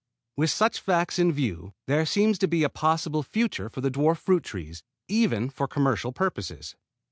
With such facts in view there seems to be a possible future for dwarf fruit trees, even for commercial purposes.